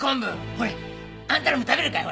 ほれあんたらも食べるかい？